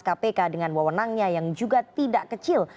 dengan wawonannya yang juga tidak kecil